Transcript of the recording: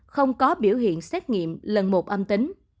không có biểu hiện xét nghiệm lần một âm tính